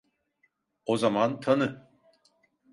Ona zaman tanı.